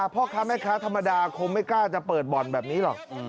พ่อค้าแม่ค้าธรรมดาคงไม่กล้าจะเปิดบ่อนแบบนี้หรอก